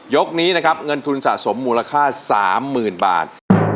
ยกนี้นะครับเงินทุนสะสมมูลค่า๓๐๐๐บาท